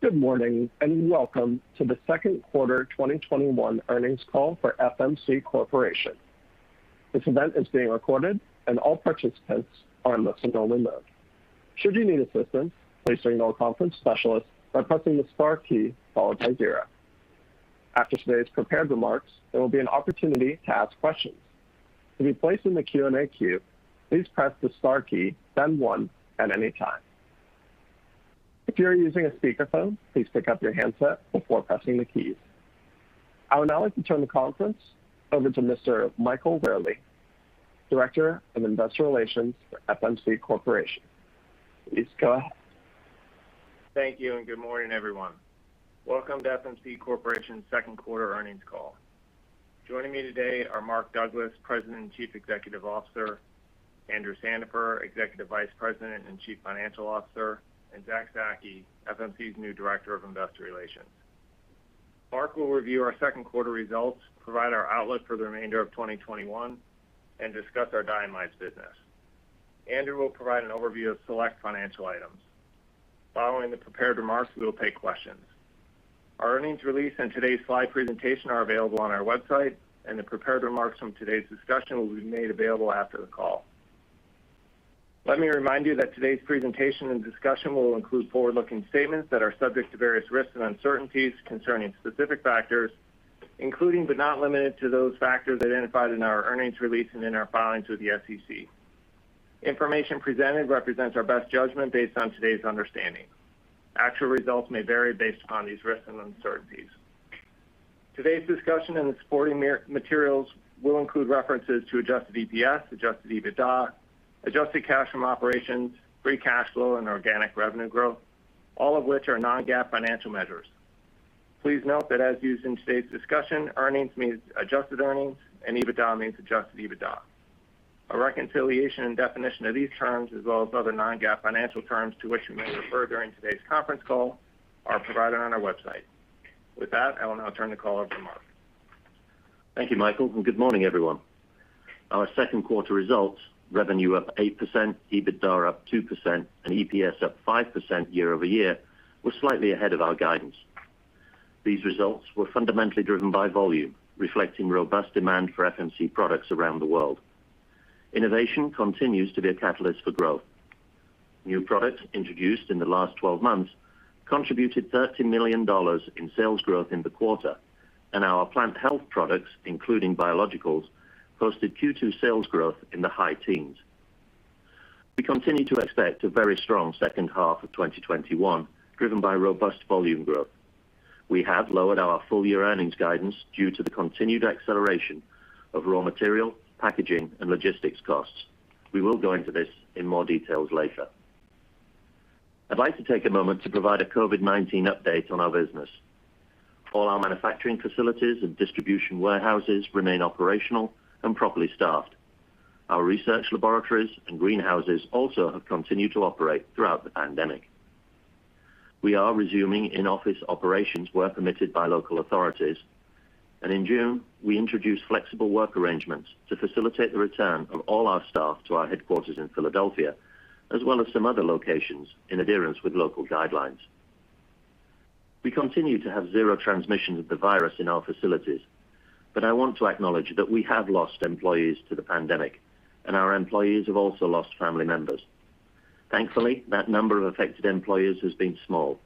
Good morning, and welcome to the 2nd quarter 2021 earnings call for FMC Corporation. This event is being recorded, and all participants are in listen-only mode. I would now like to turn the conference over to Mr. Michael Wherley, Vice President of Investor Relations for FMC Corporation. Please go ahead. Thank you. Good morning, everyone. Welcome to FMC Corporation's second quarter earnings call. Joining me today are Mark Douglas, President and Chief Executive Officer, Andrew Sandifer, Executive Vice President and Chief Financial Officer, and Abizar Zaki, FMC's new Director of Investor Relations. Mark will review our second quarter results, provide our outlook for the remainder of 2021, and discuss our diamides business. Andrew will provide an overview of select financial items. Following the prepared remarks, we will take questions. Our earnings release and today's slide presentation are available on our website. The prepared remarks from today's discussion will be made available after the call. Let me remind you that today's presentation and discussion will include forward-looking statements that are subject to various risks and uncertainties concerning specific factors, including but not limited to those factors identified in our earnings release and in our filings with the SEC. Information presented represents our best judgment based on today's understanding. Actual results may vary based upon these risks and uncertainties. Today's discussion and the supporting materials will include references to adjusted EPS, adjusted EBITDA, adjusted cash from operations, free cash flow and organic revenue growth, all of which are non-GAAP financial measures. Please note that as used in today's discussion, earnings means adjusted earnings, and EBITDA means adjusted EBITDA. A reconciliation and definition of these terms, as well as other non-GAAP financial terms to which we may refer during today's conference call, are provided on our website. With that, I will now turn the call over to Mark. Thank you, Michael, and good morning, everyone. Our second quarter results, revenue up 8%, EBITDA up 2%, and EPS up 5% year-over-year, were slightly ahead of our guidance. These results were fundamentally driven by volume, reflecting robust demand for FMC products around the world. Innovation continues to be a catalyst for growth. New products introduced in the last 12 months contributed $30 million in sales growth in the quarter, and our plant health products, including biologicals, posted Q2 sales growth in the high teens. We continue to expect a very strong second half of 2021, driven by robust volume growth. We have lowered our full-year earnings guidance due to the continued acceleration of raw material, packaging, and logistics costs. We will go into this in more details later. I'd like to take a moment to provide a COVID-19 update on our business. All our manufacturing facilities and distribution warehouses remain operational and properly staffed. Our research laboratories and greenhouses also have continued to operate throughout the pandemic. We are resuming in-office operations where permitted by local authorities, and in June, we introduced flexible work arrangements to facilitate the return of all our staff to our headquarters in Philadelphia, as well as some other locations in adherence with local guidelines. We continue to have zero transmission of the virus in our facilities, but I want to acknowledge that we have lost employees to the pandemic, and our employees have also lost family members. Thankfully, that number of affected employees has been small.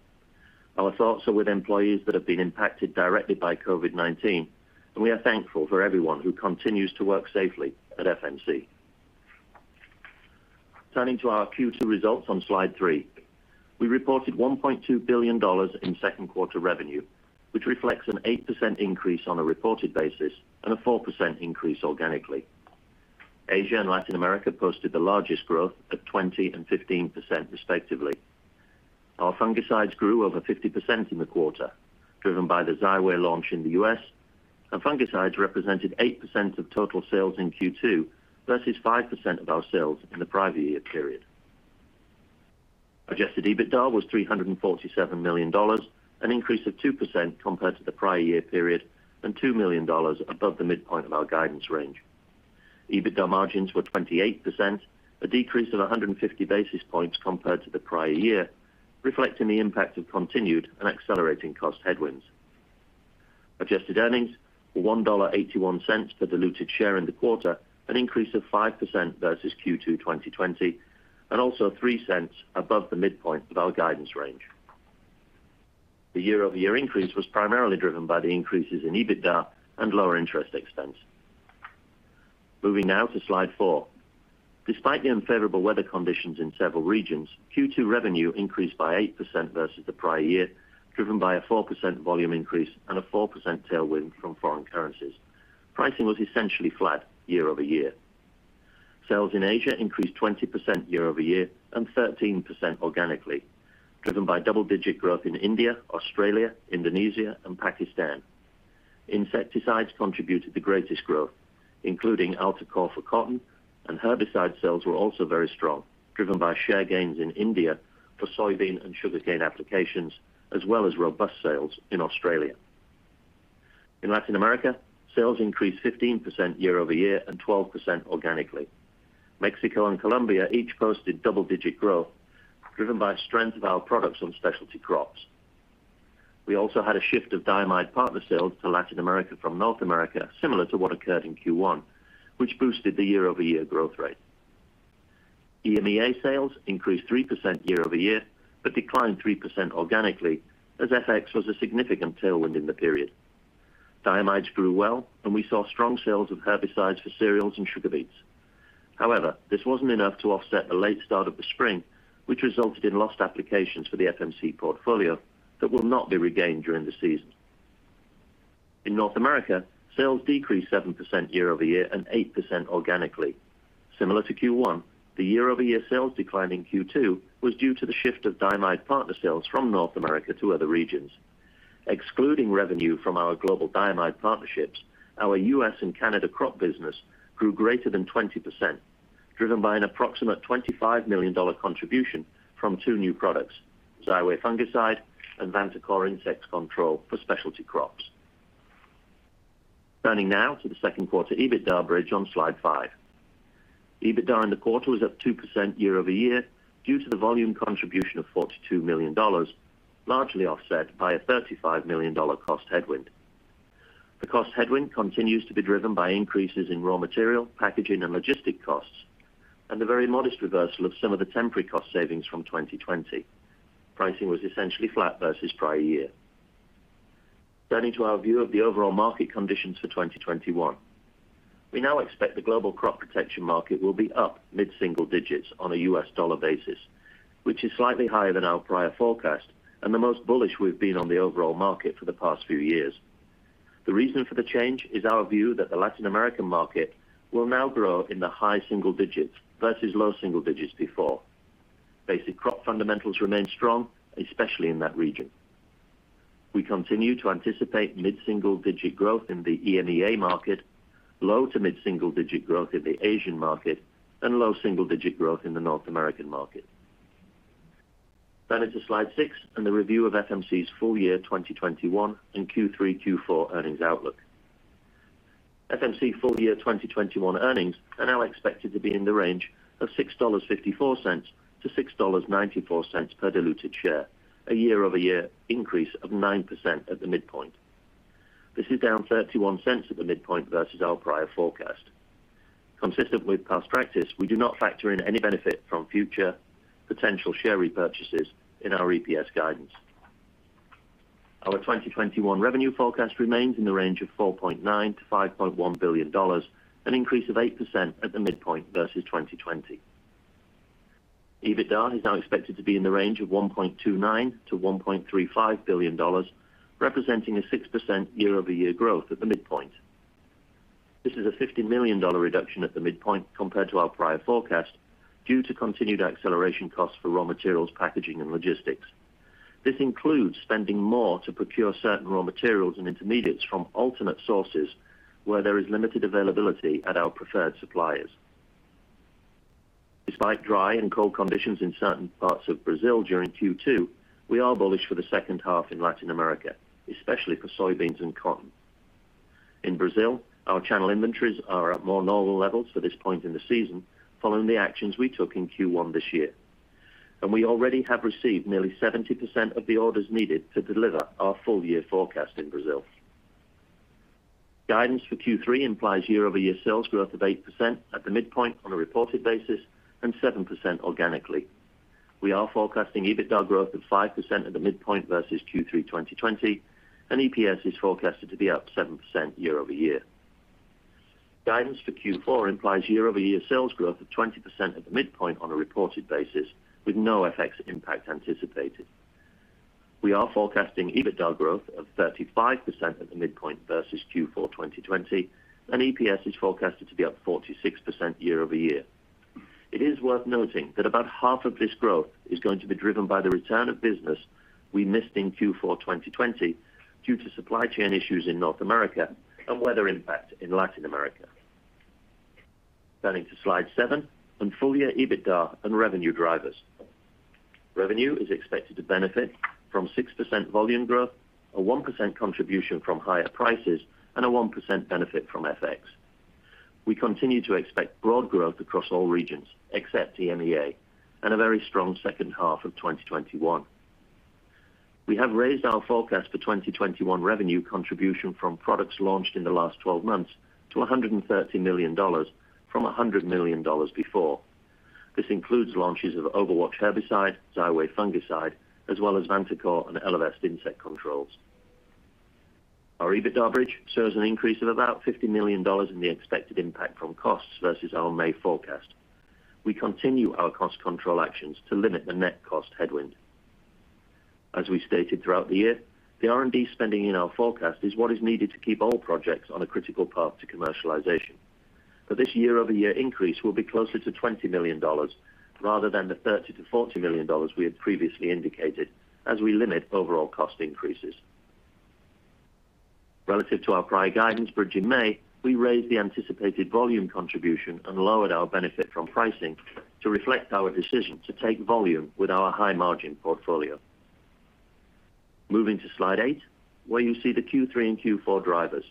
Our thoughts are with employees that have been impacted directly by COVID-19, and we are thankful for everyone who continues to work safely at FMC. Turning to our Q2 results on slide 3. We reported $1.2 billion in second quarter revenue, which reflects an 8% increase on a reported basis and a 4% increase organically. Asia and Latin America posted the largest growth at 20% and 15% respectively. Our fungicides grew over 50% in the quarter, driven by the Xyway launch in the U.S., and fungicides represented 8% of total sales in Q2 versus 5% of our sales in the prior year period. Adjusted EBITDA was $347 million, an increase of 2% compared to the prior year period, and $2 million above the midpoint of our guidance range. EBITDA margins were 28%, a decrease of 150 basis points compared to the prior year, reflecting the impact of continued and accelerating cost headwinds. Adjusted earnings were $1.81 per diluted share in the quarter, an increase of 5% versus Q2 2020, and also $0.03 above the midpoint of our guidance range. The year-over-year increase was primarily driven by the increases in EBITDA and lower interest expense. Moving now to slide 4. Despite the unfavorable weather conditions in several regions, Q2 revenue increased by 8% versus the prior year, driven by a 4% volume increase and a 4% tailwind from foreign currencies. Pricing was essentially flat year-over-year. Sales in Asia increased 20% year-over-year and 13% organically, driven by double-digit growth in India, Australia, Indonesia, and Pakistan. Insecticides contributed the greatest growth, including Altacor for cotton, and herbicide sales were also very strong, driven by share gains in India for soybean and sugarcane applications, as well as robust sales in Australia. In Latin America, sales increased 15% year-over-year and 12% organically. Mexico and Colombia each posted double-digit growth driven by strength of our products on specialty crops. We also had a shift of diamide partner sales to Latin America from North America, similar to what occurred in Q1, which boosted the year-over-year growth rate. EMEA sales increased 3% year-over-year, declined 3% organically as FX was a significant tailwind in the period. Diamides grew well, we saw strong sales of herbicides for cereals and sugar beets. This wasn't enough to offset the late start of the spring, which resulted in lost applications for the FMC portfolio that will not be regained during the season. In North America, sales decreased 7% year-over-year, 8% organically. Similar to Q1, the year-over-year sales decline in Q2 was due to the shift of diamide partner sales from North America to other regions. Excluding revenue from our global diamide partnerships, our U.S. and Canada crop business grew greater than 20%, driven by an approximate $25 million contribution from two new products, Xyway fungicide and Vantacor insect control for specialty crops. Turning now to the second quarter EBITDA bridge on Slide 5. EBITDA in the quarter was up 2% year-over-year due to the volume contribution of $42 million, largely offset by a $35 million cost headwind. The cost headwind continues to be driven by increases in raw material, packaging, and logistic costs, and the very modest reversal of some of the temporary cost savings from 2020. Pricing was essentially flat versus prior year. Turning to our view of the overall market conditions for 2021. We now expect the global crop protection market will be up mid-single digits on a U.S. dollar basis, which is slightly higher than our prior forecast and the most bullish we've been on the overall market for the past few years. The reason for the change is our view that the Latin American market will now grow in the high single digits versus low single digits before. Basic crop fundamentals remain strong, especially in that region. We continue to anticipate mid-single-digit growth in the EMEA market, low to mid-single-digit growth in the Asian market, and low single-digit growth in the North American market. Into Slide 6 and the review of FMC's full year 2021 and Q3, Q4 earnings outlook. FMC full year 2021 earnings are now expected to be in the range of $6.54-$6.94 per diluted share, a year-over-year increase of 9% at the midpoint. This is down $0.31 at the midpoint versus our prior forecast. Consistent with past practice, we do not factor in any benefit from future potential share repurchases in our EPS guidance. Our 2021 revenue forecast remains in the range of $4.9 billion-$5.1 billion, an increase of 8% at the midpoint versus 2020. EBITDA is now expected to be in the range of $1.29 billion-$1.35 billion, representing a 6% year-over-year growth at the midpoint. This is a $50 million reduction at the midpoint compared to our prior forecast due to continued acceleration costs for raw materials, packaging, and logistics. This includes spending more to procure certain raw materials and intermediates from alternate sources where there is limited availability at our preferred suppliers. Despite dry and cold conditions in certain parts of Brazil during Q2, we are bullish for the second half in Latin America, especially for soybeans and cotton. In Brazil, our channel inventories are at more normal levels for this point in the season, following the actions we took in Q1 this year. We already have received nearly 70% of the orders needed to deliver our full year forecast in Brazil. Guidance for Q3 implies year-over-year sales growth of 8% at the midpoint on a reported basis and 7% organically. We are forecasting EBITDA growth of 5% at the midpoint versus Q3 2020, and EPS is forecasted to be up 7% year-over-year. Guidance for Q4 implies year-over-year sales growth of 20% at the midpoint on a reported basis, with no FX impact anticipated. We are forecasting EBITDA growth of 35% at the midpoint versus Q4 2020. EPS is forecasted to be up 46% year-over-year. It is worth noting that about half of this growth is going to be driven by the return of business we missed in Q4 2020 due to supply chain issues in North America and weather impact in Latin America. Turning to Slide 7 on full year EBITDA and revenue drivers. Revenue is expected to benefit from 6% volume growth, a 1% contribution from higher prices, and a 1% benefit from FX. We continue to expect broad growth across all regions, except EMEA, and a very strong second half of 2021. We have raised our forecast for 2021 revenue contribution from products launched in the last 12 months to $130 million from $100 million before. This includes launches of Overwatch herbicide, Xyway fungicide, as well as Vantacor and Elevest insect controls. Our EBITDA bridge shows an increase of about $50 million in the expected impact from costs versus our May forecast. We continue our cost control actions to limit the net cost headwind. As we stated throughout the year, the R&D spending in our forecast is what is needed to keep all projects on a critical path to commercialization. This year-over-year increase will be closer to $20 million rather than the $30 million-$40 million we had previously indicated as we limit overall cost increases. Relative to our prior guidance bridge in May, we raised the anticipated volume contribution and lowered our benefit from pricing to reflect our decision to take volume with our high-margin portfolio. Moving to slide 8, where you see the Q3 and Q4 drivers.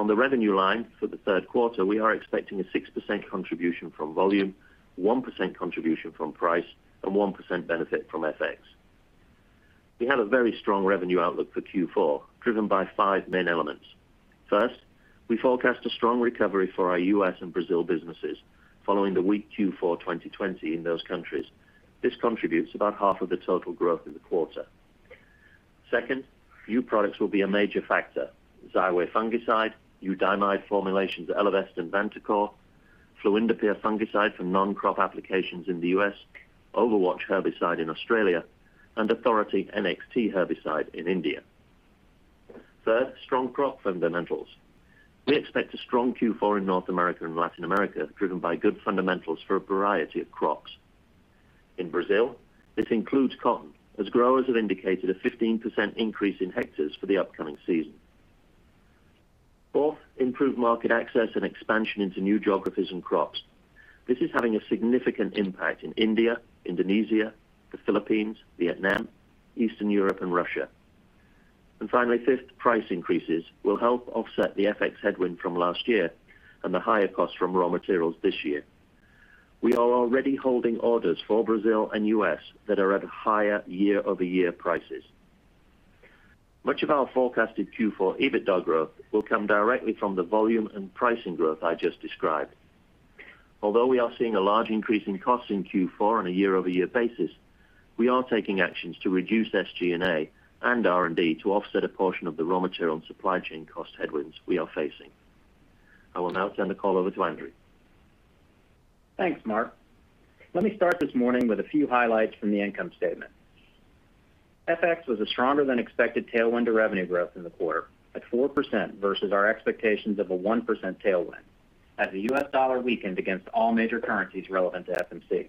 On the revenue line for the third quarter, we are expecting a 6% contribution from volume, 1% contribution from price, and 1% benefit from FX. We have a very strong revenue outlook for Q4, driven by five main elements. First, we forecast a strong recovery for our U.S. and Brazil businesses, following the weak Q4 2020 in those countries. This contributes about half of the total growth in the quarter. Second, new products will be a major factor. Xyway fungicide, new diamide formulations, Elevest and Vantacor, fluindapyr fungicide for non-crop applications in the U.S., Overwatch herbicide in Australia, and Authority NXT herbicide in India. Third, strong crop fundamentals. We expect a strong Q4 in North America and Latin America, driven by good fundamentals for a variety of crops. In Brazil, this includes cotton, as growers have indicated a 15% increase in hectares for the upcoming season. Fourth, improved market access and expansion into new geographies and crops. This is having a significant impact in India, Indonesia, the Philippines, Vietnam, Eastern Europe, and Russia. Finally, fifth, price increases will help offset the FX headwind from last year and the higher cost from raw materials this year. We are already holding orders for Brazil and U.S. that are at higher year-over-year prices. Much of our forecasted Q4 EBITDA growth will come directly from the volume and pricing growth I just described. Although we are seeing a large increase in costs in Q4 on a year-over-year basis, we are taking actions to reduce SG&A and R&D to offset a portion of the raw material and supply chain cost headwinds we are facing. I will now turn the call over to Andrew. Thanks, Mark. Let me start this morning with a few highlights from the income statement. FX was a stronger than expected tailwind to revenue growth in the quarter, at 4% versus our expectations of a 1% tailwind as the U.S. dollar weakened against all major currencies relevant to FMC.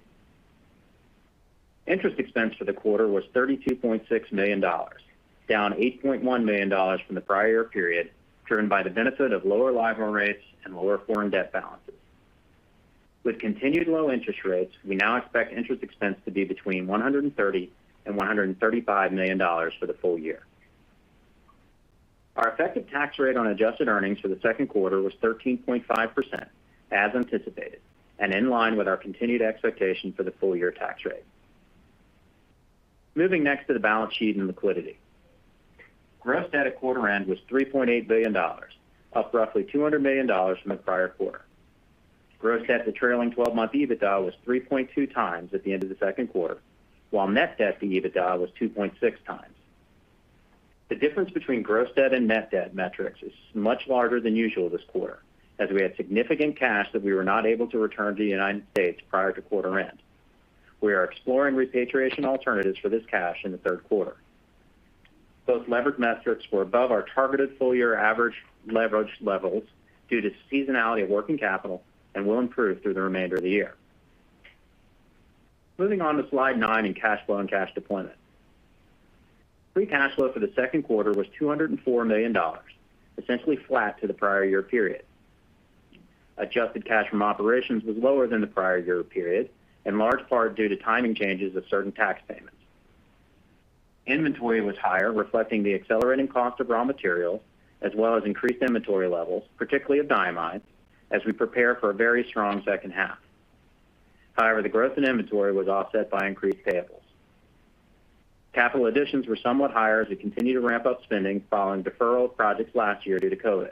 Interest expense for the quarter was $32.6 million, down $8.1 million from the prior period, driven by the benefit of lower LIBOR rates and lower foreign debt balances. With continued low interest rates, we now expect interest expense to be between $130 million and $135 million for the full year. Our effective tax rate on adjusted earnings for the second quarter was 13.5%, as anticipated and in line with our continued expectation for the full-year tax rate. Moving next to the balance sheet and liquidity. Gross debt at quarter end was $3.8 billion, up roughly $200 million from the prior quarter. Gross debt to trailing 12-month EBITDA was 3.2x at the end of the second quarter, while net debt to EBITDA was 2.6x. The difference between gross debt and net debt metrics is much larger than usual this quarter, as we had significant cash that we were not able to return to the United States prior to quarter end. We are exploring repatriation alternatives for this cash in the third quarter. Both leverage metrics were above our targeted full-year average leverage levels due to seasonality of working capital and will improve through the remainder of the year. Moving on to slide 9 in cash flow and cash deployment. Free cash flow for the second quarter was $204 million, essentially flat to the prior year period. Adjusted cash from operations was lower than the prior year period, in large part due to timing changes of certain tax payments. Inventory was higher, reflecting the accelerating cost of raw materials, as well as increased inventory levels, particularly of diamides, as we prepare for a very strong second half. However, the growth in inventory was offset by increased payables. Capital additions were somewhat higher as we continue to ramp up spending following deferral of projects last year due to COVID.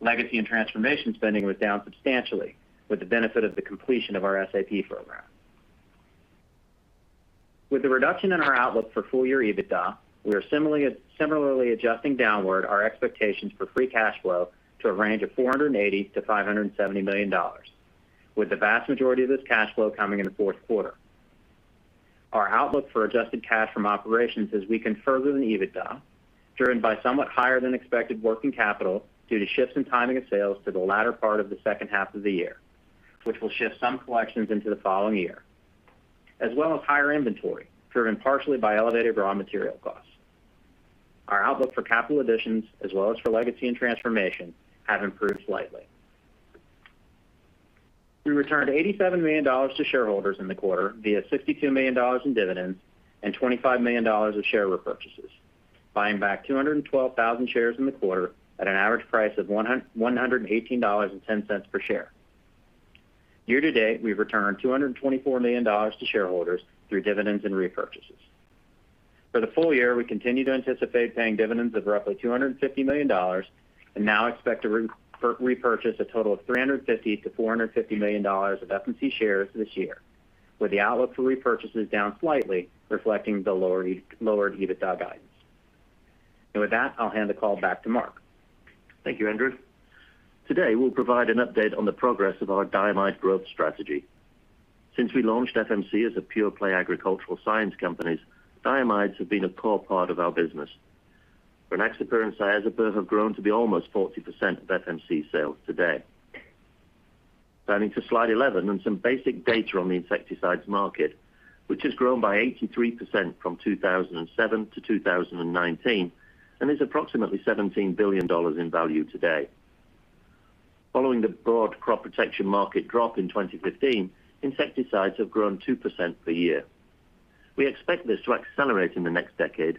Legacy and transformation spending was down substantially with the benefit of the completion of our SAP program. With the reduction in our outlook for full-year EBITDA, we are similarly adjusting downward our expectations for free cash flow to a range of $480 million-$570 million, with the vast majority of this cash flow coming in the fourth quarter. Our outlook for adjusted cash from operations is weaker further than EBITDA, driven by somewhat higher than expected working capital due to shifts in timing of sales to the latter part of the second half of the year, which will shift some collections into the following year, as well as higher inventory, driven partially by elevated raw material costs. Our outlook for capital additions, as well as for legacy and transformation, have improved slightly. We returned $87 million to shareholders in the quarter via $62 million in dividends and $25 million of share repurchases, buying back 212,000 shares in the quarter at an average price of $118.10 per share. Year to date, we've returned $224 million to shareholders through dividends and repurchases. For the full year, we continue to anticipate paying dividends of roughly $250 million and now expect to repurchase a total of $350 million-$450 million of FMC shares this year, with the outlook for repurchases down slightly, reflecting the lowered EBITDA guidance. With that, I'll hand the call back to Mark. Thank you, Andrew. Today, we'll provide an update on the progress of our diamide growth strategy. Since we launched FMC as a pure-play agricultural science company, diamides have been a core part of our business. Rynaxypyr and Cyazypyr have grown to be almost 40% of FMC sales today. Turning to slide 11 and some basic data on the insecticides market, which has grown by 83% from 2007 to 2019 and is approximately $17 billion in value today. Following the broad crop protection market drop in 2015, insecticides have grown 2% per year. We expect this to accelerate in the next decade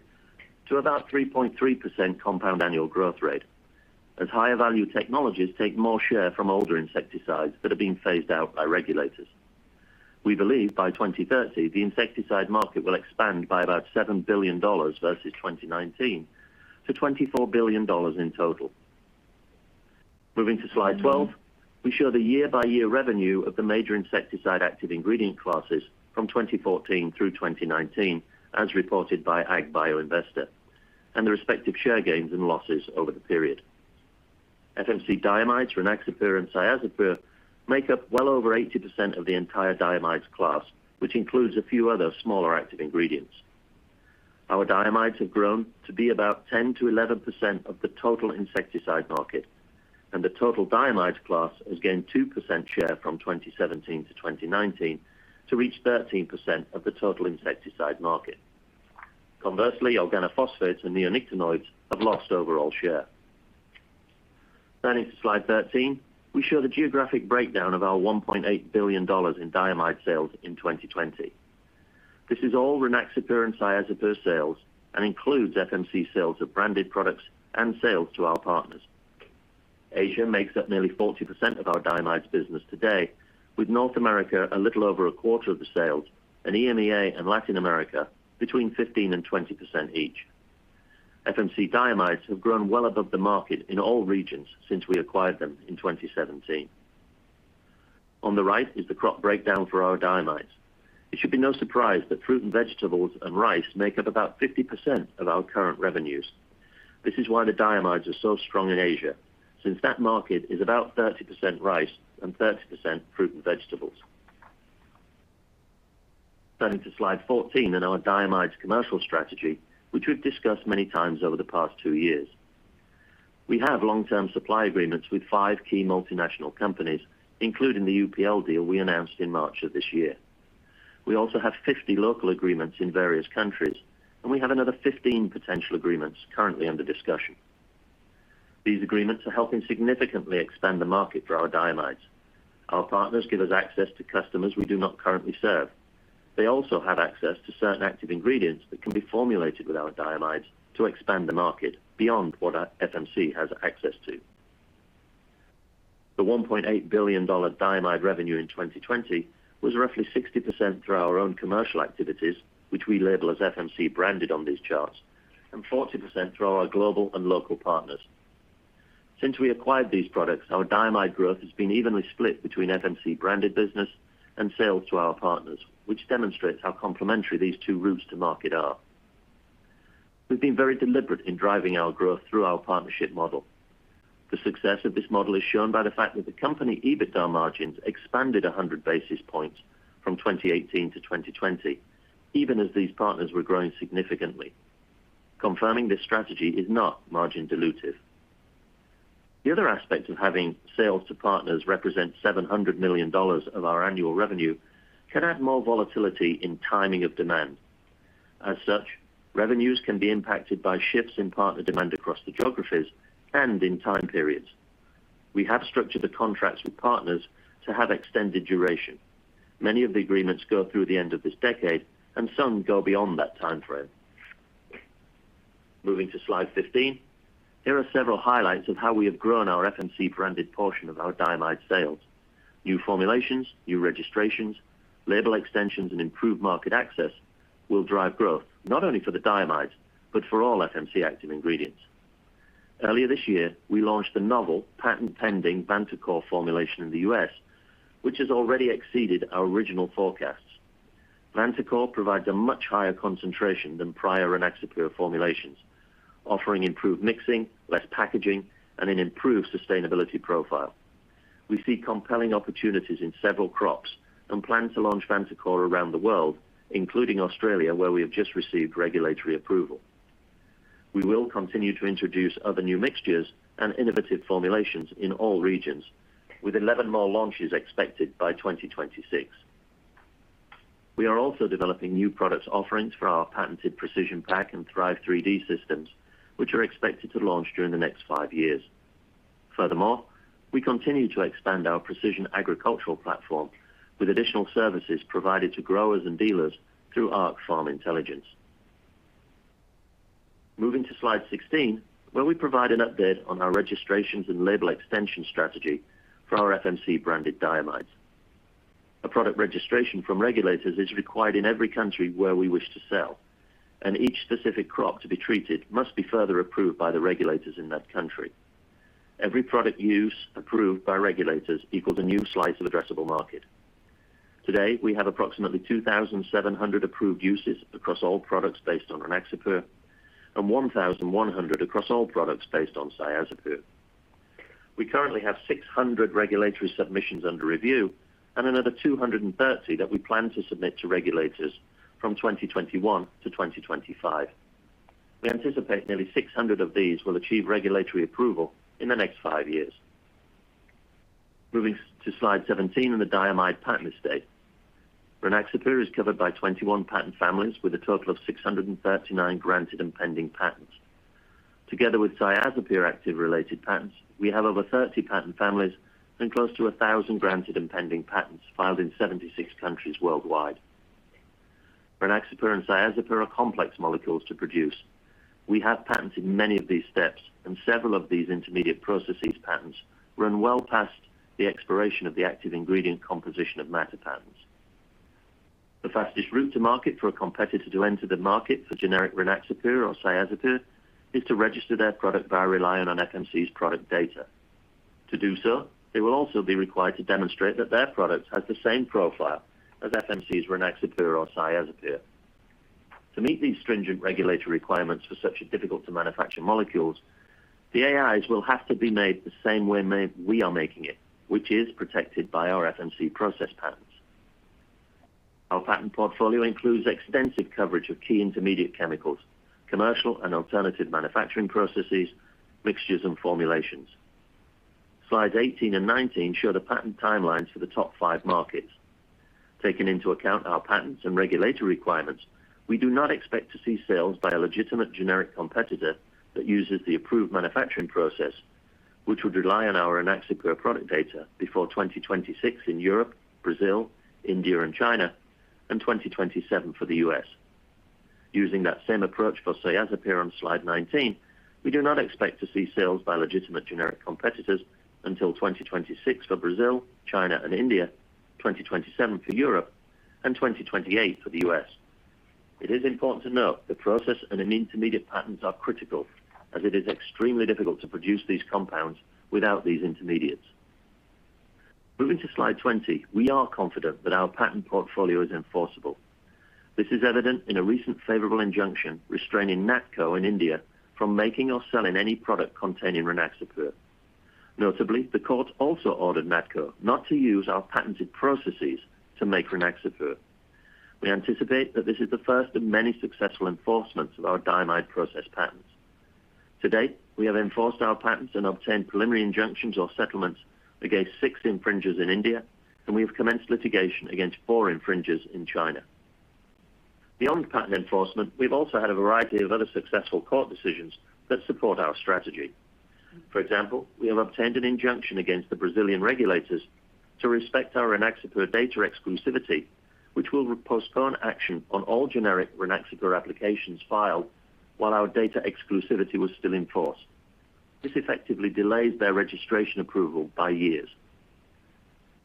to about 3.3% compound annual growth rate, as higher value technologies take more share from older insecticides that are being phased out by regulators. We believe by 2030, the insecticide market will expand by about $7 billion versus 2019 to $24 billion in total. Moving to slide 12, we show the year-by-year revenue of the major insecticide active ingredient classes from 2014 through 2019, as reported by AgbioInvestor, and the respective share gains and losses over the period. FMC diamides, Rynaxypyr and Cyazypyr, make up well over 80% of the entire diamides class, which includes a few other smaller active ingredients. Our diamides have grown to be about 10%-11% of the total insecticide market, and the total diamides class has gained 2% share from 2017 to 2019 to reach 13% of the total insecticide market. Conversely, organophosphates and neonicotinoids have lost overall share. Turning to slide 13, we show the geographic breakdown of our $1.8 billion in diamide sales in 2020. This is all Rynaxypyr and Cyazypyr sales and includes FMC sales of branded products and sales to our partners. Asia makes up nearly 40% of our diamides business today, with North America a little over a quarter of the sales, and EMEA and Latin America between 15%-20% each. FMC diamides have grown well above the market in all regions since we acquired them in 2017. On the right is the crop breakdown for our diamides. It should be no surprise that fruit and vegetables and rice make up about 50% of our current revenues. This is why the diamides are so strong in Asia, since that market is about 30% rice and 30% fruit and vegetables. Turning to slide 14 and our diamides commercial strategy, which we've discussed many times over the past two years. We have long-term supply agreements with five key multinational companies, including the UPL deal we announced in March of this year. We also have 50 local agreements in various countries, and we have another 15 potential agreements currently under discussion. These agreements are helping significantly expand the market for our diamides. Our partners give us access to customers we do not currently serve. They also have access to certain active ingredients that can be formulated with our diamides to expand the market beyond what FMC has access to. The $1.8 billion diamide revenue in 2020 was roughly 60% through our own commercial activities, which we label as FMC branded on these charts, and 40% through our global and local partners. Since we acquired these products, our diamide growth has been evenly split between FMC-branded business and sales to our partners, which demonstrates how complementary these two routes to market are. We've been very deliberate in driving our growth through our partnership model. The success of this model is shown by the fact that the company EBITDA margins expanded 100 basis points from 2018 to 2020, even as these partners were growing significantly, confirming this strategy is not margin dilutive. The other aspect of having sales to partners represent $700 million of our annual revenue can add more volatility in timing of demand. As such, revenues can be impacted by shifts in partner demand across the geographies and in time periods. We have structured the contracts with partners to have extended duration. Many of the agreements go through the end of this decade, and some go beyond that time frame. Moving to slide 15, here are several highlights of how we have grown our FMC-branded portion of our diamide sales. New formulations, new registrations, label extensions, and improved market access will drive growth, not only for the diamides, but for all FMC active ingredients. Earlier this year, we launched the novel patent-pending Vantacor formulation in the U.S., which has already exceeded our original forecasts. Vantacor provides a much higher concentration than prior Rynaxypyr formulations, offering improved mixing, less packaging, and an improved sustainability profile. We see compelling opportunities in several crops and plan to launch Vantacor around the world, including Australia, where we have just received regulatory approval. We will continue to introduce other new mixtures and innovative formulations in all regions, with 11 more launches expected by 2026. We are also developing new products offerings for our patented PrecisionPac and 3RIVE 3D systems, which are expected to launch during the next five years. Furthermore, we continue to expand our precision agricultural platform with additional services provided to growers and dealers through Arc farm intelligence. Moving to slide 16, where we provide an update on our registrations and label extension strategy for our FMC-branded diamides. A product registration from regulators is required in every country where we wish to sell, and each specific crop to be treated must be further approved by the regulators in that country. Every product use approved by regulators equals a new slice of addressable market. Today, we have approximately 2,700 approved uses across all products based on Rynaxypyr and 1,100 across all products based on Cyazypyr. We currently have 600 regulatory submissions under review and another 230 that we plan to submit to regulators from 2021 to 2025. We anticipate nearly 600 of these will achieve regulatory approval in the next five years. Moving to slide 17 in the diamide patent estate. Rynaxypyr is covered by 21 patent families with a total of 639 granted and pending patents. Together with Cyazypyr active related patents, we have over 30 patent families and close to 1,000 granted and pending patents filed in 76 countries worldwide. Rynaxypyr and Cyazypyr are complex molecules to produce. We have patents in many of these steps, and several of these intermediate processes patents run well past the expiration of the active ingredient composition of matter patents. The fastest route to market for a competitor to enter the market for generic Rynaxypyr or Cyazypyr is to register their product by relying on FMC's product data. To do so, they will also be required to demonstrate that their product has the same profile as FMC's Rynaxypyr or Cyazypyr. To meet these stringent regulatory requirements for such difficult to manufacture molecules, the AIs will have to be made the same way we are making it, which is protected by our FMC process patents. Our patent portfolio includes extensive coverage of key intermediate chemicals, commercial and alternative manufacturing processes, mixtures, and formulations. Slides 18 and 19 show the patent timelines for the top five markets. Taking into account our patents and regulatory requirements, we do not expect to see sales by a legitimate generic competitor that uses the approved manufacturing process, which would rely on our Rynaxypyr product data before 2026 in Europe, Brazil, India, and China, and 2027 for the U.S. Using that same approach for Cyazypyr on slide 19, we do not expect to see sales by legitimate generic competitors until 2026 for Brazil, China, and India, 2027 for Europe, and 2028 for the U.S. It is important to note the process and intermediate patents are critical as it is extremely difficult to produce these compounds without these intermediates. Moving to slide 20, we are confident that our patent portfolio is enforceable. This is evident in a recent favorable injunction restraining Natco in India from making or selling any product containing Rynaxypyr. Notably, the court also ordered Natco not to use our patented processes to make Rynaxypyr. We anticipate that this is the first of many successful enforcements of our diamide process patents. To date, we have enforced our patents and obtained preliminary injunctions or settlements against 6 infringers in India, and we have commenced litigation against four infringers in China. Beyond patent enforcement, we've also had a variety of other successful court decisions that support our strategy. For example, we have obtained an injunction against the Brazilian regulators to respect our Rynaxypyr data exclusivity, which will postpone action on all generic Rynaxypyr applications filed while our data exclusivity was still in force. This effectively delays their registration approval by years.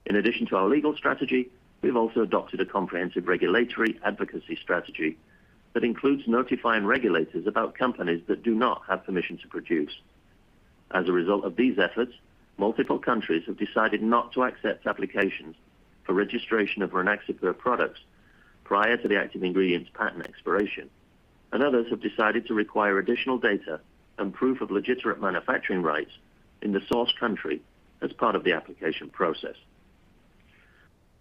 In addition to our legal strategy, we've also adopted a comprehensive regulatory advocacy strategy that includes notifying regulators about companies that do not have permission to produce. As a result of these efforts, multiple countries have decided not to accept applications for registration of Rynaxypyr products prior to the active ingredient's patent expiration, and others have decided to require additional data and proof of legitimate manufacturing rights in the source country as part of the application process.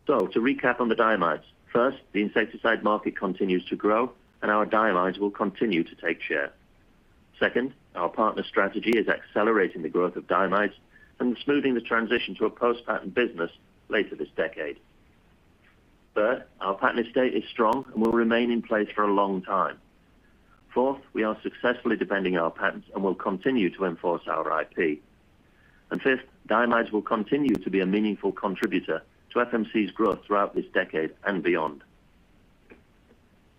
To recap on the diamides, first, the insecticide market continues to grow and our diamides will continue to take share. Second, our partner strategy is accelerating the growth of diamides and smoothing the transition to a post-patent business later this decade. Third, our patent estate is strong and will remain in place for a long time. Fourth, we are successfully defending our patents and will continue to enforce our IP. Fifth, diamides will continue to be a meaningful contributor to FMC's growth throughout this decade and beyond.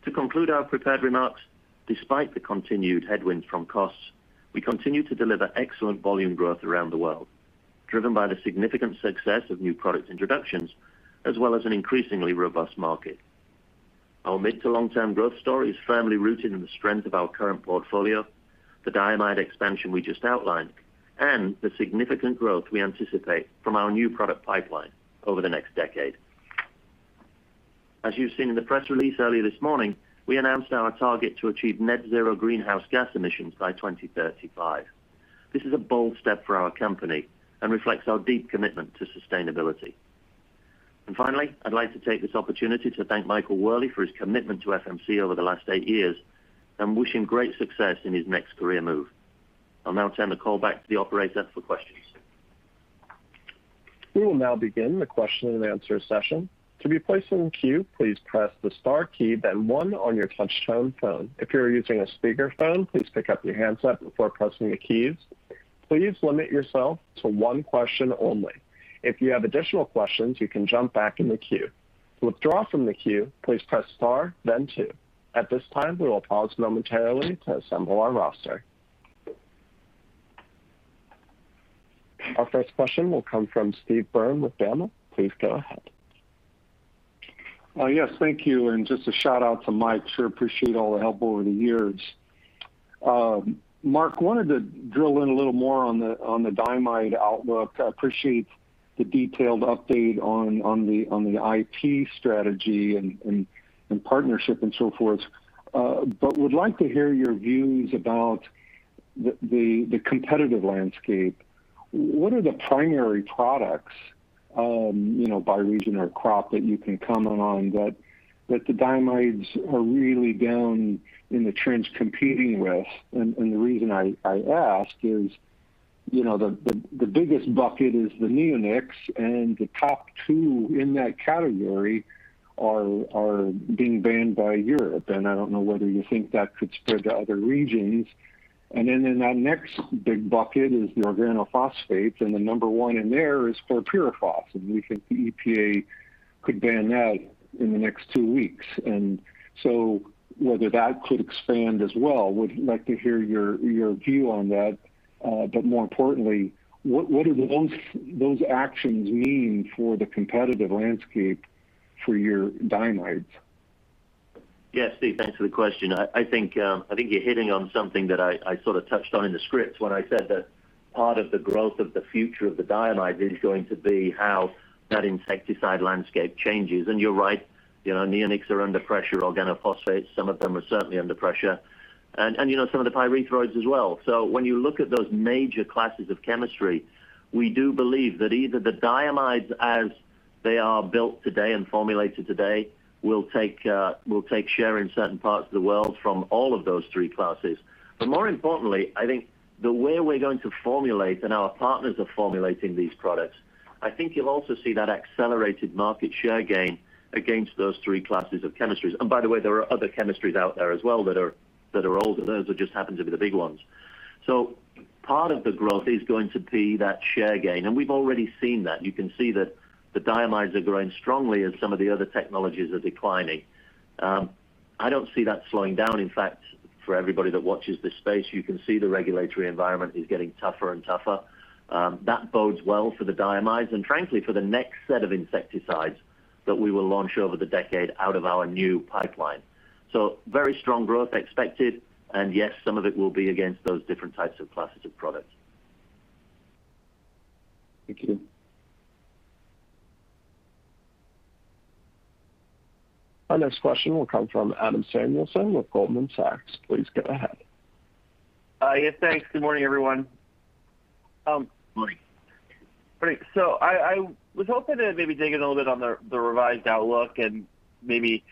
To conclude our prepared remarks, despite the continued headwinds from costs, we continue to deliver excellent volume growth around the world, driven by the significant success of new product introductions, as well as an increasingly robust market. Our mid to long-term growth story is firmly rooted in the strength of our current portfolio, the diamide expansion we just outlined, and the significant growth we anticipate from our new product pipeline over the next decade. As you've seen in the press release earlier this morning, we announced our target to achieve net zero greenhouse gas emissions by 2035. This is a bold step for our company and reflects our deep commitment to sustainability. Finally, I'd like to take this opportunity to thank Michael Wherley for his commitment to FMC over the last eight years and wish him great success in his next career move. I'll now turn the call back to the operator for questions. We will now begin the question and answer session. To be placed in the queue, please press the star key then one on your touchtone phone. If you are using a speakerphone, please pick up your handset before pressing the keys. Please limit yourself to one question only. If you have additional questions, you can jump back in the queue. To withdraw from the queue, please press star then two. At this time, we will pause momentarily to assemble our roster. Our first question will come from Steve Byrne with BMO Capital Markets. Please go ahead. Yes. Thank you. Just a shout-out to Michael Wherley. Sure appreciate all the help over the years. Mark Douglas, wanted to drill in a little more on the diamide outlook. I appreciate the detailed update on the IP strategy and partnership and so forth. Would like to hear your views about the competitive landscape. What are the primary products by region or crop that you can comment on that the diamides are really down in the trench competing with? The reason I ask is the biggest bucket is the neonics. The top two in that category are being banned by Europe, and I don't know whether you think that could spread to other regions. Then in that next big bucket is the organophosphates. The number one in there is chlorpyrifos, and we think the EPA could ban that in the next two weeks. Whether that could expand as well, would like to hear your view on that. More importantly, what do those actions mean for the competitive landscape for your diamides? Yeah, Steve, thanks for the question. I think you're hitting on something that I sort of touched on in the script when I said that part of the growth of the future of the diamide is going to be how that insecticide landscape changes. You're right, neonics are under pressure, organophosphates, some of them are certainly under pressure. Some of the pyrethroids as well. When you look at those major classes of chemistry, we do believe that either the diamides as they are built today and formulated today, will take share in certain parts of the world from all of those three classes. More importantly, I think the way we're going to formulate and our partners are formulating these products, I think you'll also see that accelerated market share gain against those three classes of chemistries. By the way, there are other chemistries out there as well that are older. Those just happen to be the big ones. Part of the growth is going to be that share gain, and we've already seen that. You can see that the diamides are growing strongly as some of the other technologies are declining. I don't see that slowing down. In fact, for everybody that watches this space, you can see the regulatory environment is getting tougher and tougher. That bodes well for the diamides and frankly for the next set of insecticides that we will launch over the decade out of our new pipeline. Very strong growth expected, and yes, some of it will be against those different types of classes of products. Thank you. Our next question will come from Adam Samuelson with Goldman Sachs. Please go ahead. Yes, thanks. Good morning, everyone. Morning. Great. I was hoping to maybe dig in a little bit on the revised outlook and maybe,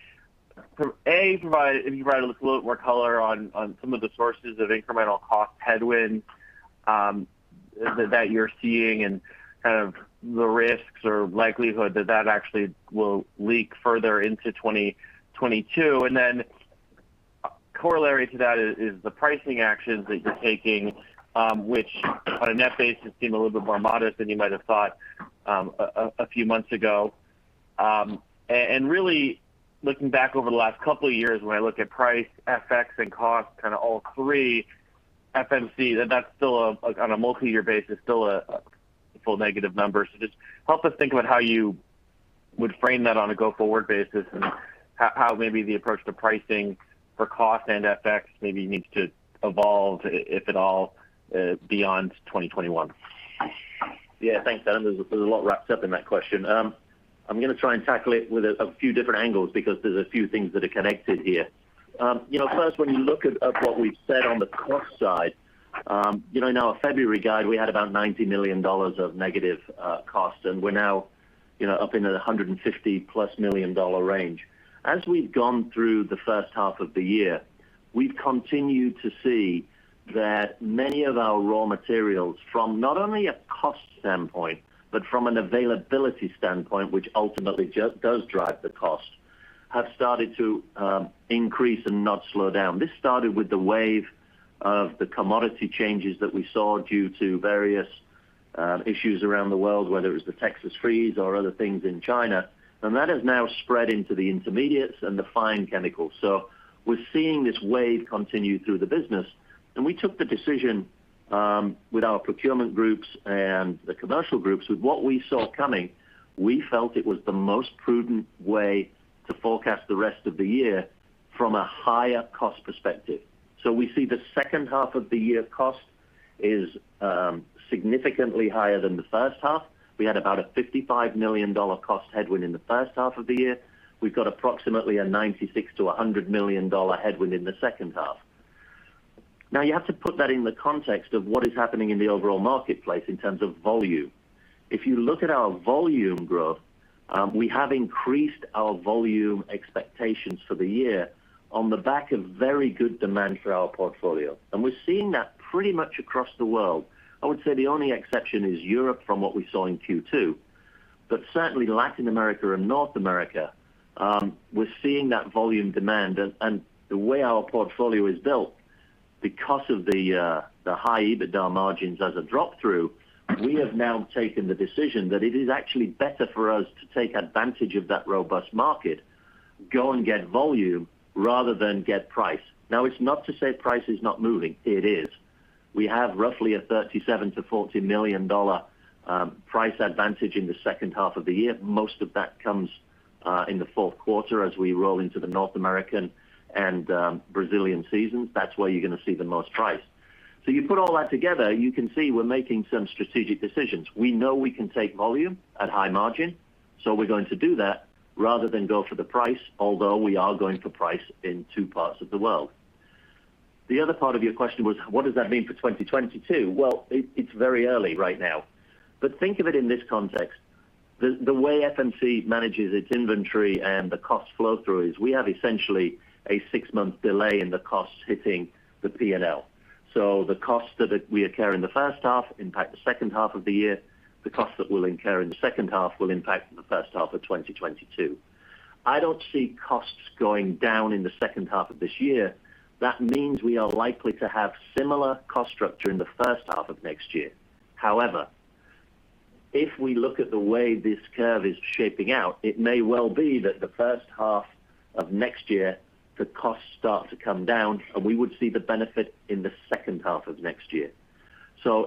A, if you provide a little more color on some of the sources of incremental cost headwind that you're seeing and kind of the risks or likelihood that that actually will leak further into 2022. Then corollary to that is the pricing actions that you're taking, which on a net basis seem a little bit more modest than you might have thought a few months ago. Really looking back over the last couple of years when I look at price, FX, and cost, kind of all three, FMC, on a multi-year basis, still a full negative number. Just help us think about how you would frame that on a go-forward basis and how maybe the approach to pricing for cost and FX maybe needs to evolve, if at all, beyond 2021? Yeah. Thanks, Adam. There's a lot wrapped up in that question. I'm going to try and tackle it with a few different angles because there's a few things that are connected here. First, when you look at what we've said on the cost side, in our February guide, we had about $90 million of negative costs, and we're now up in the $150-plus million range. As we've gone through the first half of the year, we've continued to see that many of our raw materials from not only a cost standpoint, but from an availability standpoint, which ultimately just does drive the cost, have started to increase and not slow down. This started with the wave of the commodity changes that we saw due to various issues around the world, whether it was the Texas freeze or other things in China. That has now spread into the intermediates and the fine chemicals. We're seeing this wave continue through the business. We took the decision with our procurement groups and the commercial groups with what we saw coming. We felt it was the most prudent way to forecast the rest of the year from a higher cost perspective. We see the second half of the year cost is significantly higher than the first half. We had about a $55 million cost headwind in the first half of the year. We've got approximately a $96 million-$100 million headwind in the second half. You have to put that in the context of what is happening in the overall marketplace in terms of volume. If you look at our volume growth, we have increased our volume expectations for the year on the back of very good demand for our portfolio. We're seeing that pretty much across the world. I would say the only exception is Europe from what we saw in Q2. Certainly Latin America and North America, we're seeing that volume demand. The way our portfolio is built because of the high EBITDA margins as a drop through, we have now taken the decision that it is actually better for us to take advantage of that robust market, go and get volume rather than get price. Now it's not to say price is not moving. It is. We have roughly a $37 million-$40 million price advantage in the second half of the year. Most of that comes in the fourth quarter as we roll into the North American and Brazilian seasons. That's where you're going to see the most price. You put all that together, you can see we're making some strategic decisions. We know we can take volume at high margin, we're going to do that rather than go for the price, although we are going for price in two parts of the world. The other part of your question was, what does that mean for 2022? It's very early right now, think of it in this context. The way FMC manages its inventory and the cost flow-through is we have essentially a six-month delay in the costs hitting the P&L. The costs that we incur in the first half impact the second half of the year. The costs that we'll incur in the second half will impact the first half of 2022. I don't see costs going down in the second half of this year. That means we are likely to have similar cost structure in the first half of next year. If we look at the way this curve is shaping out, it may well be that the 1st half of next year, the costs start to come down, and we would see the benefit in the second half of next year.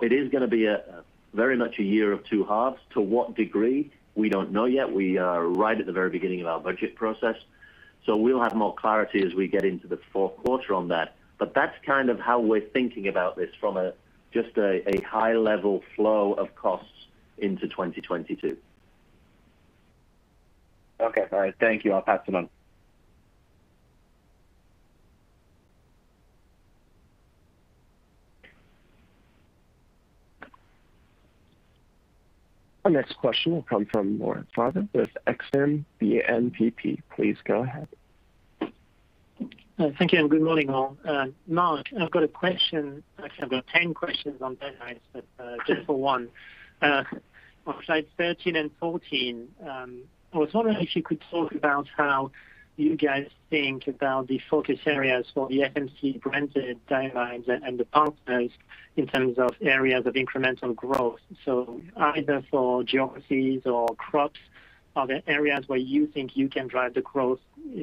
It is going to be very much a year of two halves. To what degree, we don't know yet. We are right at the very beginning of our budget process, we'll have more clarity as we get into the fourth quarter on that. That's kind of how we're thinking about this from just a high-level flow of costs into 2022. Okay. All right. Thank you. I'll pass it on. Our next question will come from Laurent Favre with Exane BNP Paribas. Please go ahead. Thank you, and good morning, all. Mark, I've got a question. Actually, I've got 10 questions on that, but just for one. On slides 13 and 14, I was wondering if you could talk about how you guys think about the focus areas for the FMC-branded diamides and the partners in terms of areas of incremental growth. Either for geographies or crops, are there areas where you think you can drive the growth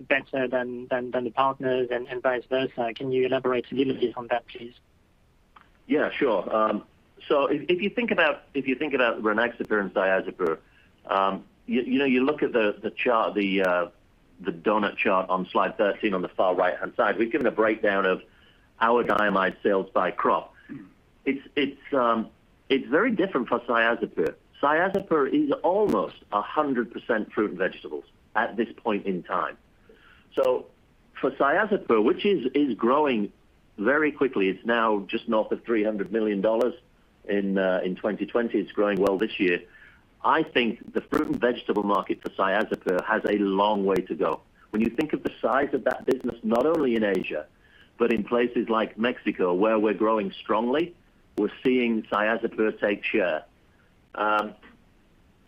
better than the partners and vice versa? Can you elaborate a little bit on that, please? Yeah, sure. If you think about Rynaxypyr and Cyazypyr, you look at the doughnut chart on slide 13 on the far right-hand side. We've given a breakdown of our diamide sales by crop. It's very different for Cyazypyr. Cyazypyr is almost 100% fruit and vegetables at this point in time. For Cyazypyr, which is growing very quickly, it's now just north of $300 million in 2020. It's growing well this year. I think the fruit and vegetable market for Cyazypyr has a long way to go. When you think of the size of that business, not only in Asia, but in places like Mexico, where we're growing strongly, we're seeing Cyazypyr take share.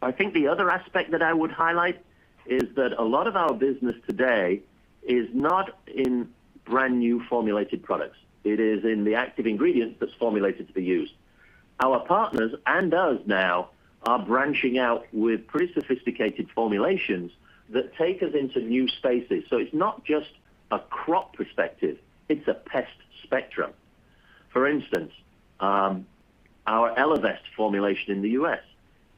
I think the other aspect that I would highlight is that a lot of our business today is not in brand-new formulated products. It is in the active ingredient that's formulated for use. Our partners and us now are branching out with pretty sophisticated formulations that take us into new spaces. It's not just a crop perspective, it's a pest spectrum. For instance, our Elevest formulation in the U.S.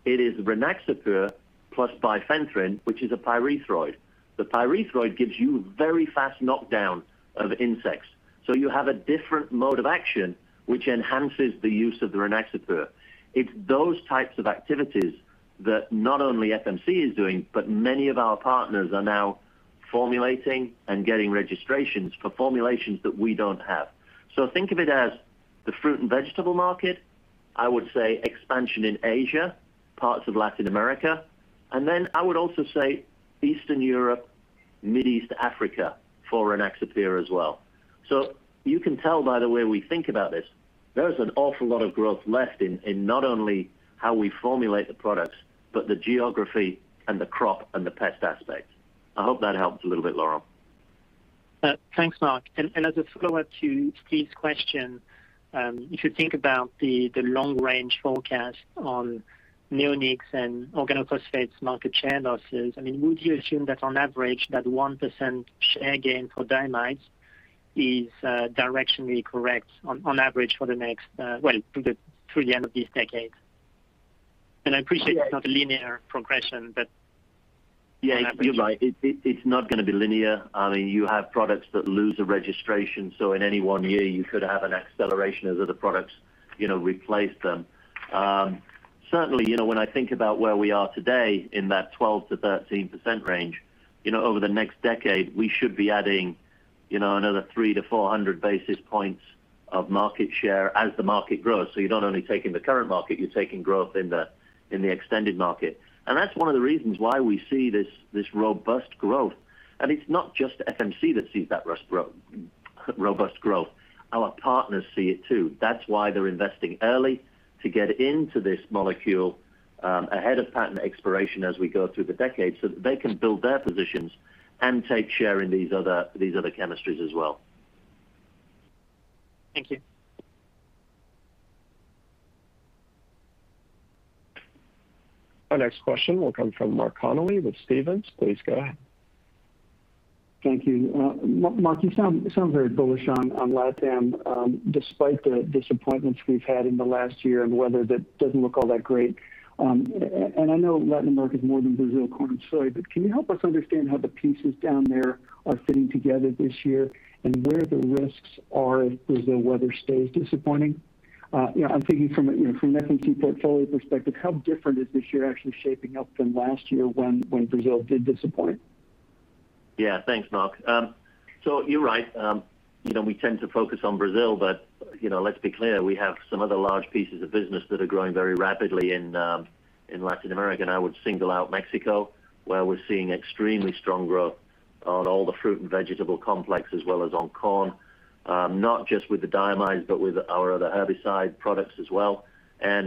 is Rynaxypyr plus bifenthrin, which is a pyrethroid. The pyrethroid gives you very fast knockdown of insects. You have a different mode of action, which enhances the use of the Rynaxypyr. It's those types of activities that not only FMC is doing, but many of our partners are now formulating and getting registrations for formulations that we don't have. Think of it as the fruit and vegetable market, I would say expansion in Asia, parts of Latin America, and then I would also say Eastern Europe, Middle East Africa for Rynaxypyr as well. You can tell by the way we think about this, there is an awful lot of growth left in not only how we formulate the products, but the geography and the crop and the pest aspect. I hope that helped a little bit, Laurent. Thanks, Mark. As a follow-up to Steve's question, if you think about the long range forecast on neonics and organophosphates market share losses, would you assume that on average, that 1% share gain for diamides is directionally correct on average through the end of this decade? Yeah, you're right. It's not going to be linear. You have products that lose a registration, so in any one year, you could have an acceleration as other products replace them. Certainly, when I think about where we are today in that 12%-13% range, over the next decade, we should be adding another 300-400 basis points of market share as the market grows. You're not only taking the current market, you're taking growth in the extended market. That's one of the reasons why we see this robust growth. It's not just FMC that sees that robust growth. Our partners see it, too. That's why they're investing early to get into this molecule ahead of patent expiration as we go through the decade so that they can build their positions and take share in these other chemistries as well. Thank you. Our next question will come from Mark Connelly with Stephens. Please go ahead. Thank you. Mark, you sound very bullish on LATAM, despite the disappointments we've had in the last year and weather that doesn't look all that great. I know Latin America is more than Brazil corn and soy, can you help us understand how the pieces down there are fitting together this year and where the risks are if the weather stays disappointing? I'm thinking from an FMC portfolio perspective, how different is this year actually shaping up than last year when Brazil did disappoint? Yeah, thanks Mark. You're right. We tend to focus on Brazil, but let's be clear, we have some other large pieces of business that are growing very rapidly in Latin America. I would single out Mexico, where we're seeing extremely strong growth on all the fruit and vegetable complex as well as on corn. Not just with the diamides, but with our other herbicide products as well. As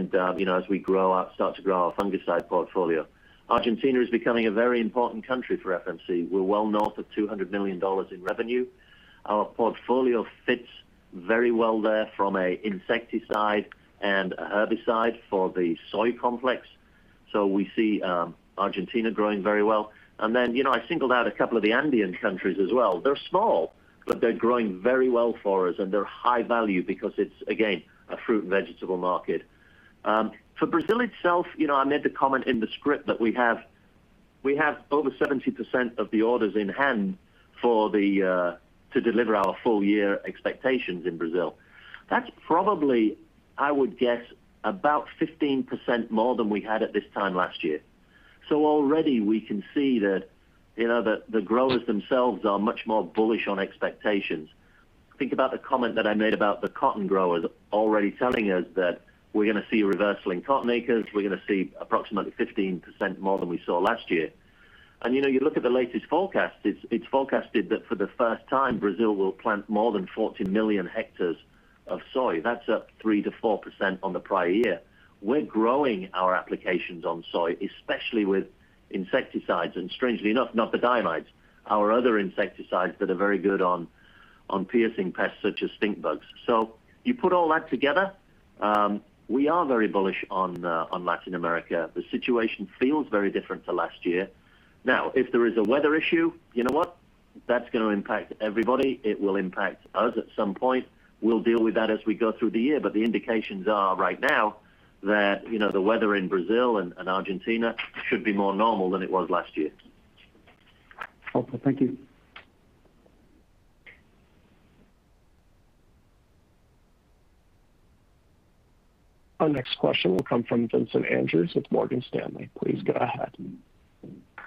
we start to grow our fungicide portfolio. Argentina is becoming a very important country for FMC. We're well north of $200 million in revenue. Our portfolio fits very well there from a insecticide and a herbicide for the soy complex. We see Argentina growing very well. Then, I singled out a couple of the Andean countries as well. They're small, but they're growing very well for us, and they're high value because it's, again, a fruit and vegetable market. For Brazil itself, I made the comment in the script that we have over 70% of the orders in hand to deliver our full year expectations in Brazil. That's probably, I would guess about 15% more than we had at this time last year. Already we can see that the growers themselves are much more bullish on expectations. Think about the comment that I made about the cotton growers already telling us that we're going to see a reversal in cotton acres. We're going to see approximately 15% more than we saw last year. You look at the latest forecast, it's forecasted that for the first time, Brazil will plant more than 40 million hectares of soy. That's up 3%-4% on the prior year. We're growing our applications on soy, especially with insecticides, and strangely enough, not the diamides. Our other insecticides that are very good on piercing pests such as stink bugs. You put all that together, we are very bullish on Latin America. The situation feels very different to last year. If there is a weather issue, you know what? That's going to impact everybody. It will impact us at some point. We'll deal with that as we go through the year. The indications are right now that the weather in Brazil and Argentina should be more normal than it was last year. Okay. Thank you. Our next question will come from Vincent Andrews with Morgan Stanley. Please go ahead.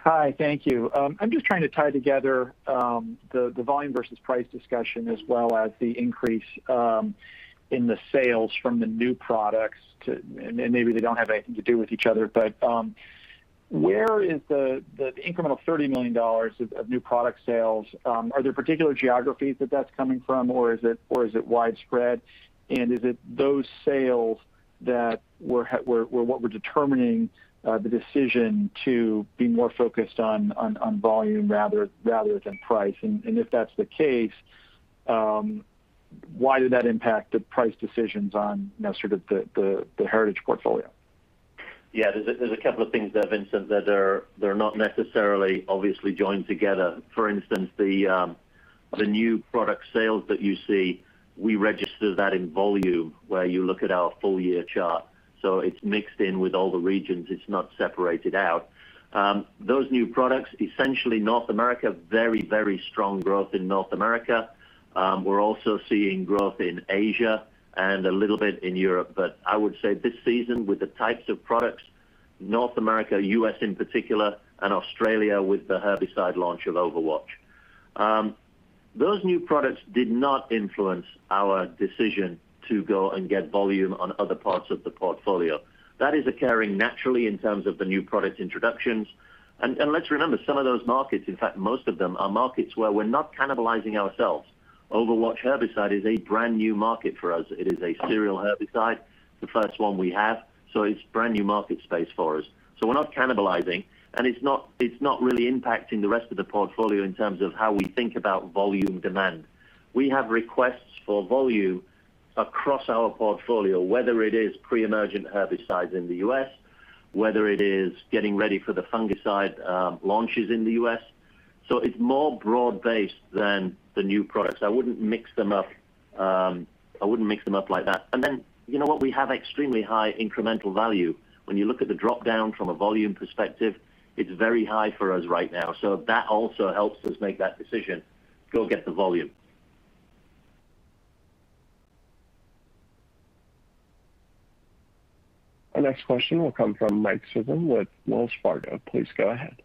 Hi. Thank you. I'm just trying to tie together the volume versus price discussion as well as the increase in the sales from the new products to. Maybe they don't have anything to do with each other, but where is the incremental $30 million of new product sales? Are there particular geographies that that's coming from, or is it widespread? Is it those sales that were what were determining the decision to be more focused on volume rather than price? If that's the case, why did that impact the price decisions on sort of the heritage portfolio? Yeah, there's a couple of things there, Vincent, that are not necessarily obviously joined together. For instance, the new product sales that you see, we register that in volume where you look at our full year chart. It's mixed in with all the regions. It's not separated out. Those new products, essentially North America, very strong growth in North America. We're also seeing growth in Asia and a little bit in Europe. I would say this season with the types of products, North America, U.S. in particular, and Australia with the herbicide launch of Overwatch. Those new products did not influence our decision to go and get volume on other parts of the portfolio. That is occurring naturally in terms of the new product introductions. Let's remember some of those markets, in fact, most of them are markets where we're not cannibalizing ourselves. Overwatch herbicide is a brand new market for us. It is a cereal herbicide, the first one we have, it's brand new market space for us. We're not cannibalizing, it's not really impacting the rest of the portfolio in terms of how we think about volume demand. We have requests for volume across our portfolio, whether it is pre-emergent herbicides in the U.S., whether it is getting ready for the fungicide launches in the U.S. It's more broad-based than the new products. I wouldn't mix them up like that. You know what? We have extremely high incremental value. When you look at the drop down from a volume perspective, it's very high for us right now. That also helps us make that decision to go get the volume. Our next question will come from Mike Sison with Wells Fargo. Please go ahead.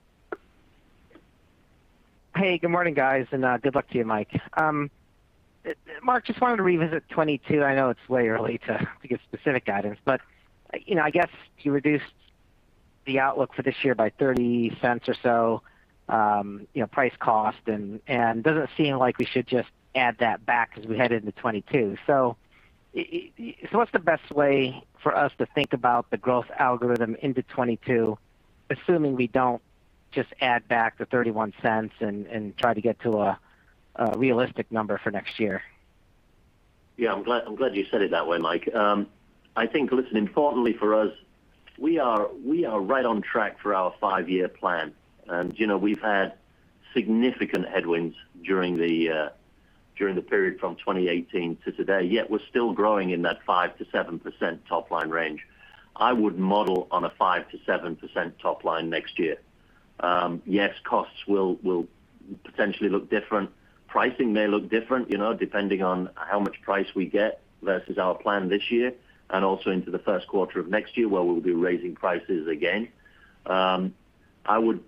Hey, good morning, guys, and good luck to you, Mike. Mark, just wanted to revisit 2022. I know it's way early to get specific guidance, but I guess you reduced the outlook for this year by $0.30 or so, price cost, and does it seem like we should just add that back as we head into 2022? What's the best way for us to think about the growth algorithm into 2022, assuming we don't just add back the $0.31 and try to get to a realistic number for next year? Yeah, I'm glad you said it that way, Mike. I think, listen, importantly for us, we are right on track for our five-year plan. We've had significant headwinds during the period from 2018 to today, yet we're still growing in that 5%-7% top line range. I would model on a 5%-7% top line next year. Yes, costs will potentially look different. Pricing may look different, depending on how much price we get versus our plan this year and also into the first quarter of next year where we'll be raising prices again. I would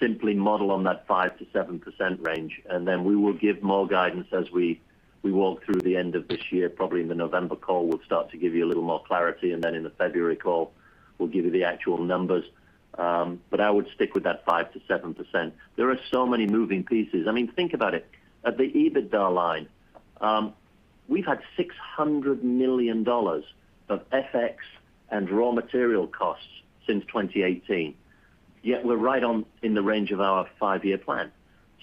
simply model on that 5%-7% range, and then we will give more guidance as we walk through the end of this year. Probably in the November call, we'll start to give you a little more clarity, and then in the February call, we'll give you the actual numbers. I would stick with that 5%-7%. There are so many moving pieces. Think about it. At the EBITDA line, we've had $600 million of FX and raw material costs since 2018, yet we're right in the range of our five-year plan.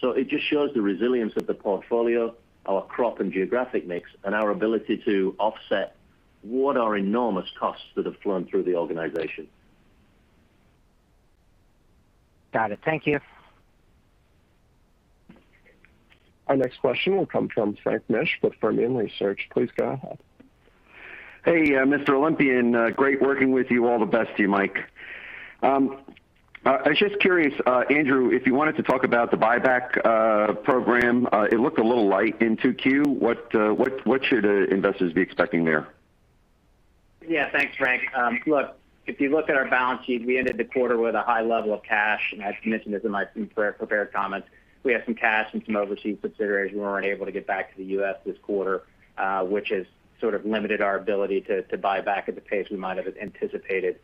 It just shows the resilience of the portfolio, our crop and geographic mix, and our ability to offset what are enormous costs that have flown through the organization. Got it. Thank you. Our next question will come from Frank Mitsch with Fermium Research. Please go ahead. Hey, Michael Wherley. Great working with you. All the best to you, Michael Wherley. I was just curious, Andrew Sandifer, if you wanted to talk about the buyback program. It looked a little light in 2Q. What should investors be expecting there? Thanks, Frank. Look, if you look at our balance sheet, we ended the quarter with a high level of cash, and as mentioned in my prepared comments, we have some cash and some overseas considerations. We weren't able to get back to the U.S. this quarter, which has sort of limited our ability to buy back at the pace we might have anticipated.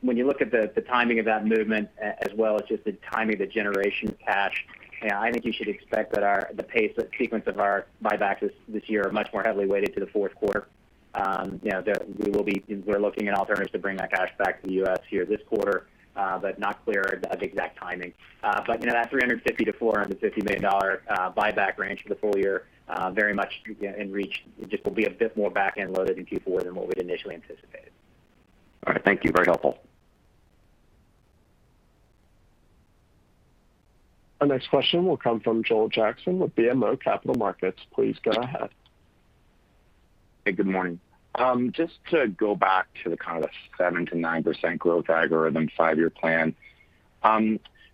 When you look at the timing of that movement, as well as just the timing of the generation of cash, I think you should expect that the pace or sequence of our buybacks this year are much more heavily weighted to the fourth quarter. We're looking at alternatives to bring that cash back to the U.S. here this quarter, but not clear of the exact timing. That $350 million-$450 million buyback range for the full year, very much in reach. It just will be a bit more back-end loaded in Q4 than what we'd initially anticipated. All right. Thank you. Very helpful. Our next question will come from Joel Jackson with BMO Capital Markets. Please go ahead. Hey, good morning. Just to go back to the kind of the 7%-9% growth algorithm 5-year plan.